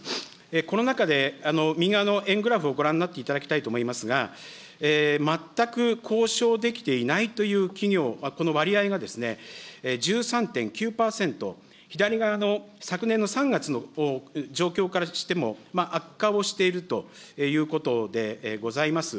この中で、右側の円グラフをご覧になっていただきたいと思いますが、全く交渉できていないという企業、この割合がですね、１３．９％、左側の昨年の３月の状況からしても、悪化をしているということでございます。